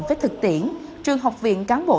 với thực tiễn trường học viện cán bộ